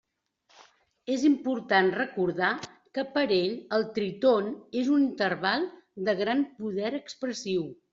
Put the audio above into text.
És important recordar que per a ell el tríton és un interval de gran poder expressiu.